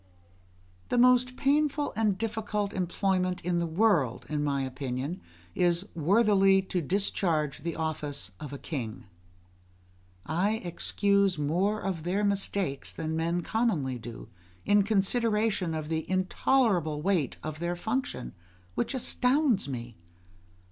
The most painful and difficult employment in the world, in my opinion, is worthily to discharge the office of a king. I excuse more of their mistakes than men commonly do, in consideration of the intolerable weight of their function, which astounds me.